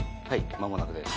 間もなくです。